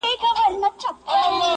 د هر يزيد مخ ته که خدای کول آسمان وځي~